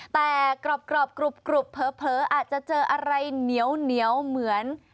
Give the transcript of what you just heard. แต่กรอบกรุบเผลออาจจะเจออะไรเหนียวเหมือน